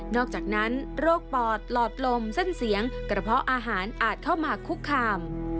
อกจากนั้นโรคปอดหลอดลมเส้นเสียงกระเพาะอาหารอาจเข้ามาคุกคาม